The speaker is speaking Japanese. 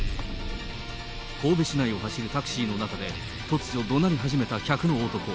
神戸市内を走るタクシーの中で、突如、どなり始めた客の男。